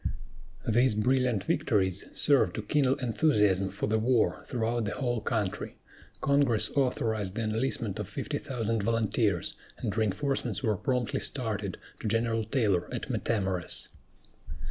These brilliant victories served to kindle enthusiasm for the war throughout the whole country. Congress authorized the enlistment of fifty thousand volunteers, and reinforcements were promptly started to General Taylor at Matamoras.